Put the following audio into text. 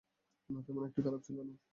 না, তেমন একটা খারাপ ছিল না।